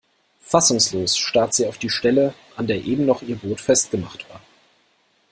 Fassungslos starrt sie auf die Stelle, an der eben noch ihr Boot festgemacht war.